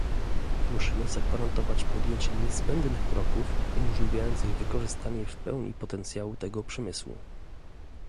Musimy zagwarantować podjęcie niezbędnych kroków umożliwiających wykorzystanie w pełni potencjału tego przemysłu